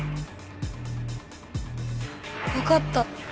わかった。